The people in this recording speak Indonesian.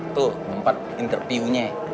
tuh tempat interviewnya